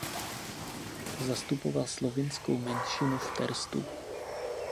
Zastupoval slovinskou menšinu v Terstu.